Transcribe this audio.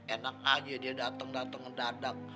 enak aja dia dateng dateng ngedadak